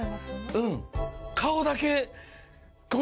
うん。